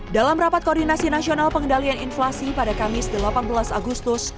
dalam rapat koordinasi nasional pengendalian inflasi pada kamis delapan belas agustus